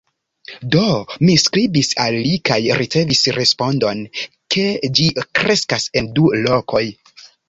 Do, mi skribis al li kaj ricevis respondon, ke ĝi kreskas en du lokoj.